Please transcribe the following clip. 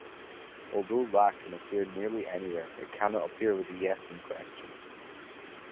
Although lah can appear nearly anywhere, it cannot appear with a yes-no question.